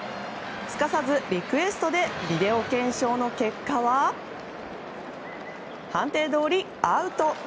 すかさずリクエストでビデオ検証の結果は判定どおり、アウト。